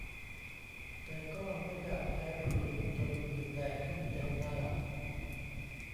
แต่ก็ไม่อยากแพ้ครีมจนผื่นแดงขึ้นเต็มหน้า